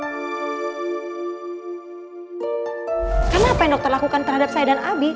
gak ada ada yang melakukan terhadap sayed and abi